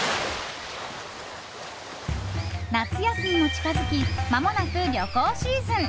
夏休みも近づきまもなく旅行シーズン。